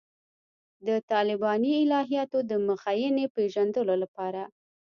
د طالباني الهیاتو د مخینې پېژندلو لپاره.